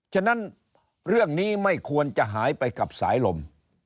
ฉะนั้นเรื่องนี้ไม่ควรจะหายไปกับสายลม